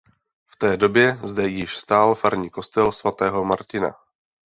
V té době zde již stál farní kostel svatého Martina.